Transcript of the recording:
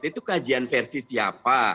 itu kajian versi siapa